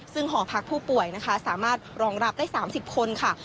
ซึ่งหอพักผู้ป่วยนะคะสามารถรองรับได้๓๐คนค่ะ